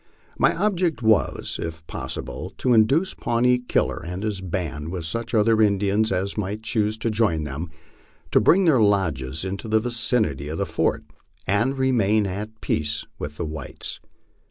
My object was, if possible, to induce Pawnee Killer and his band, with such other Indians as might choose to join them, to bring their lodges into the vicinity of the fort, and remain at peace with the whites.